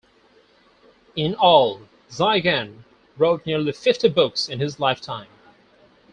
In all, Jizang wrote nearly fifty books in his lifetime.